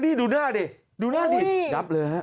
นี่ดูหน้าดิดูหน้าดินับเลยฮะ